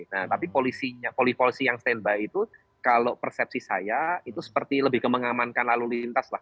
nah tapi polisi yang standby itu kalau persepsi saya itu seperti lebih ke mengamankan lalu lintas lah